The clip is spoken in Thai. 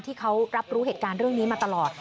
ที่เขารับรู้เหตุการณ์เรื่องนี้มาตลอด